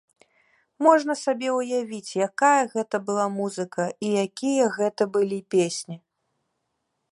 Можна сабе ўявіць, якая гэта была музыка і якія гэта былі песні!